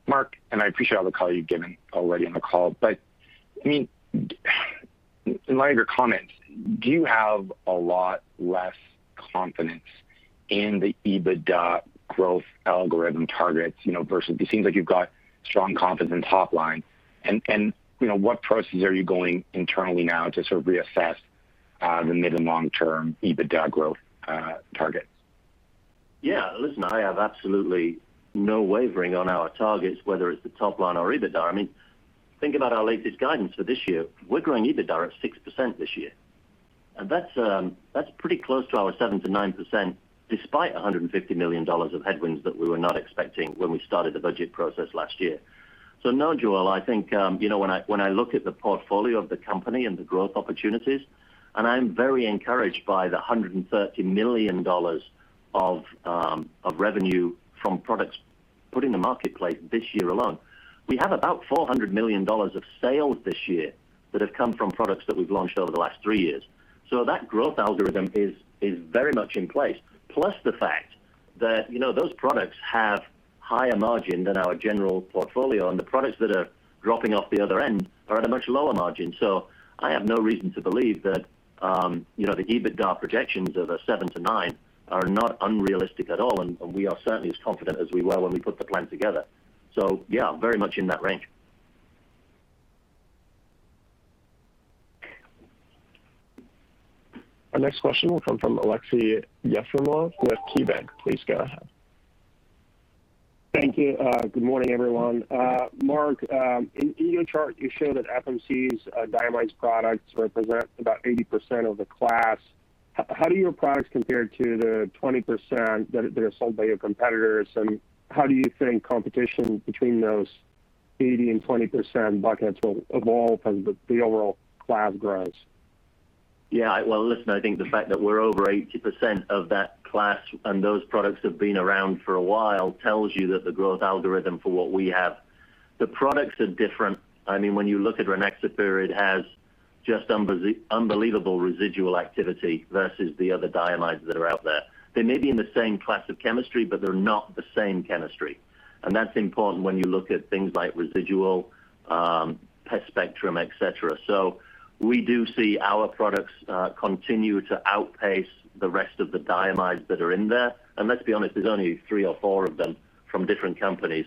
Mark, I appreciate all the color you've given already on the call, but in light of your comments, do you have a lot less confidence in the EBITDA growth algorithm targets. It seems like you've got strong confidence in top line. What processes are you going internally now to sort of reassess the mid and long-term EBITDA growth targets? Yeah. Listen, I have absolutely no wavering on our targets, whether it's the top line or EBITDA. Think about our latest guidance for this year. We're growing EBITDA at 6% this year, and that's pretty close to our 7%-9%, despite $150 million of headwinds that we were not expecting when we started the budget process last year. No, Joel, I think, when I look at the portfolio of the company and the growth opportunities, and I'm very encouraged by the $130 million of revenue from products put in the marketplace this year alone. We have about $400 million of sales this year that have come from products that we've launched over the last three years. That growth algorithm is very much in place. Plus the fact that those products have higher margin than our general portfolio, and the products that are dropping off the other end are at a much lower margin. I have no reason to believe that the EBITDA projections of a 7%-9% are not unrealistic at all, and we are certainly as confident as we were when we put the plan together. Yeah, very much in that range. Our next question will come from Aleksey Yefremov with KeyBanc Capital Markets. Please go ahead. Thank you. Good morning, everyone. Mark, in your chart, you showed that FMC's diamides products represent about 80% of the class. How do your products compare to the 20% that are sold by your competitors, and how do you think competition between those 80% and 20% buckets will evolve as the overall class grows? Yeah. Well, listen, I think the fact that we're over 80% of that class and those products have been around for a while tells you that the growth algorithm for what we have. The products are different. When you look at Rynaxypyr, it has just unbelievable residual activity versus the other diamides that are out there. They may be in the same class of chemistry, but they're not the same chemistry, and that's important when you look at things like residual, pest spectrum, et cetera. We do see our products continue to outpace the rest of the diamides that are in there. Let's be honest, there's only three or four of them from different companies.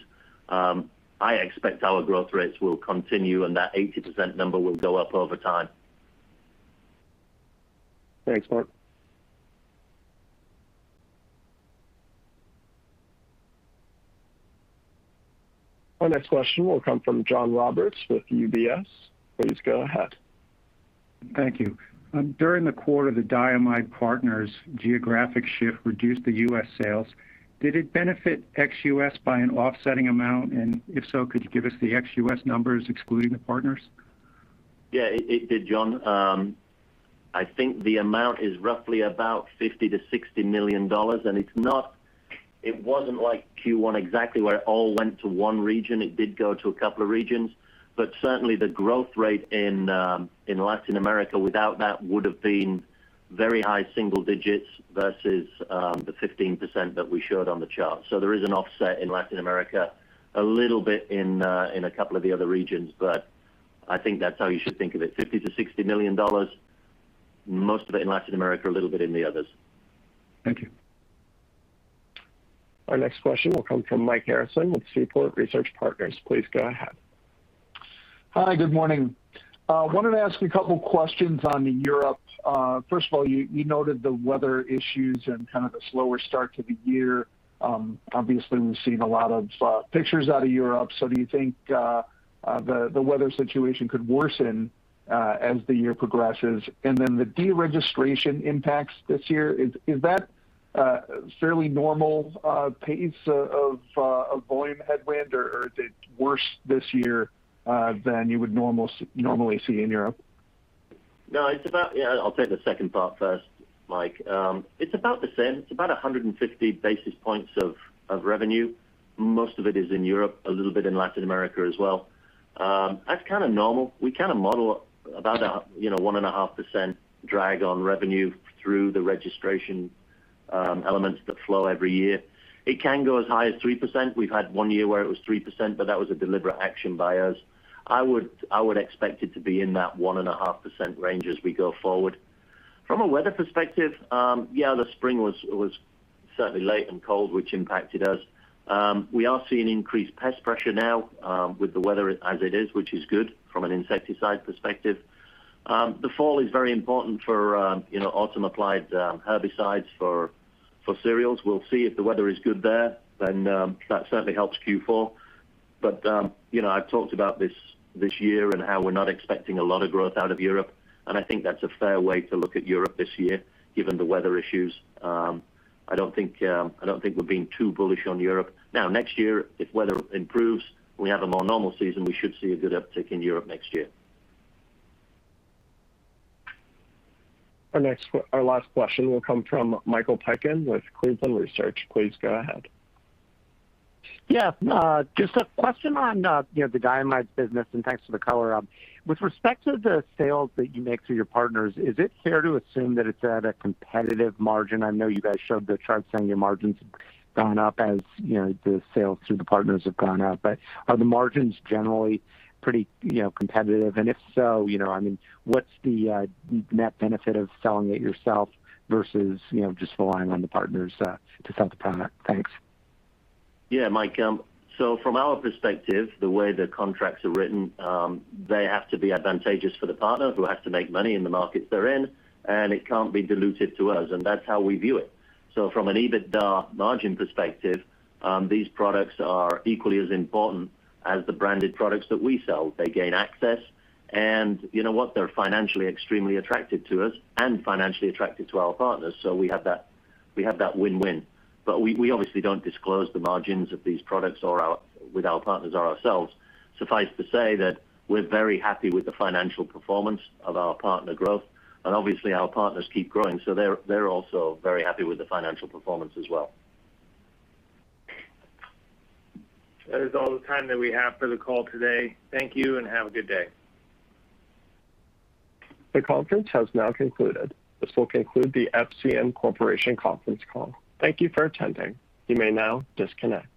I expect our growth rates will continue, and that 80% number will go up over time. Thanks, Mark. Our next question will come from John Roberts with UBS. Please go ahead. Thank you. During the quarter, the diamide partners geographic shift reduced the U.S. sales. Did it benefit ex-U.S. by an offsetting amount, and if so, could you give us the ex-U.S. numbers excluding the partners? Yeah, it did, John. I think the amount is roughly about $50 million-$60 million, and it wasn't like Q1 exactly where it all went to one region. It did go to a couple of regions. Certainly the growth rate in Latin America without that would've been very high single digits versus the 15% that we showed on the chart. There is an offset in Latin America, a little bit in a couple of the other regions, but I think that's how you should think of it, $50 million-$60 million. Most of it in Latin America, a little bit in the others. Thank you. Our next question will come from Mike Harrison with Seaport Research Partners. Please go ahead. Hi, good morning. I wanted to ask a couple questions on Europe. First of all, you noted the weather issues and kind of the slower start to the year. Obviously, we've seen a lot of pictures out of Europe. Do you think the weather situation could worsen as the year progresses? The deregistration impacts this year, is that fairly normal pace of volume headwind, or is it worse this year than you would normally see in Europe? No. I'll take the second part first, Mike. It's about the same. It's about 150 basis points of revenue. Most of it is in Europe, a little bit in Latin America as well. That's kind of normal. We kind of model about a 1.5% drag on revenue through the registration elements that flow every year. It can go as high as 3%. We've had one year where it was 3%. That was a deliberate action by us. I would expect it to be in that 1.5% range as we go forward. From a weather perspective, yeah, the spring was certainly late and cold, which impacted us. We are seeing increased pest pressure now with the weather as it is, which is good from an insecticide perspective. The fall is very important for autumn applied herbicides for cereals. We'll see if the weather is good there, then that certainly helps Q4. I've talked about this year and how we're not expecting a lot of growth out of Europe, and I think that's a fair way to look at Europe this year, given the weather issues. I don't think we're being too bullish on Europe. Next year, if weather improves, we have a more normal season, we should see a good uptick in Europe next year. Our last question will come from Michael Piken with Cleveland Research. Please go ahead. Yeah. Just a question on the diamides business, and thanks for the color up. With respect to the sales that you make through your partners, is it fair to assume that it's at a competitive margin? I know you guys showed the chart saying your margins have gone up as the sales through the partners have gone up. Are the margins generally pretty competitive? If so, what's the net benefit of selling it yourself versus just relying on the partners to sell the product? Thanks. Yeah, Mike. From our perspective, the way the contracts are written, they have to be advantageous for the partner who has to make money in the markets they're in, and it can't be diluted to us, and that's how we view it. From an EBITDA margin perspective, these products are equally as important as the branded products that we sell. They gain access, and you know what, they're financially extremely attractive to us and financially attractive to our partners. We have that win-win. We obviously don't disclose the margins of these products with our partners or ourselves. Suffice to say that we're very happy with the financial performance of our partner growth. Obviously, our partners keep growing, so they're also very happy with the financial performance as well. That is all the time that we have for the call today. Thank you and have a good day. The conference has now concluded. This will conclude the FMC Corporation conference call. Thank you for attending. You may now disconnect.